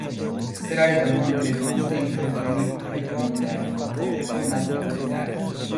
作られたものというのは既に環境に入ったものである、過去となったものである。